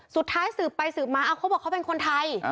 สืบไปสืบมาเขาบอกเขาเป็นคนไทย